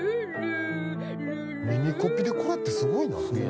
耳コピでこれってすごいな。